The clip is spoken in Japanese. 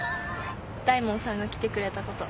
大門さんが来てくれたこと。